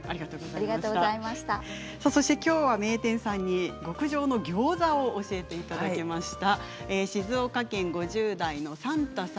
そしてきょうは名店さんに極上のギョーザも教えていただきました。